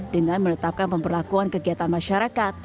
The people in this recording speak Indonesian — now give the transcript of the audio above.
dengan menetapkan pemberlakuan kegiatan masyarakat